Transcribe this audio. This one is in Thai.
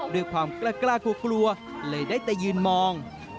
ด้วยความกล้ากลัวกลัวเลยได้แต่ยืนมอง